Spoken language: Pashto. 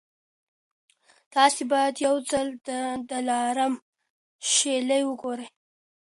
تاسي باید یو ځل د دلارام شېلې وګورئ.